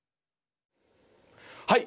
はい。